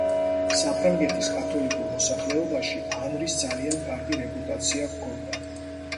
საფრანგეთის კათოლიკურ მოსახლეობაში ანრის ძალიან კარგი რეპუტაცია ჰქონდა.